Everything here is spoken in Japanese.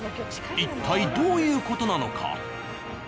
一体どういう事なのか。